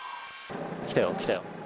来たよ、来たよ。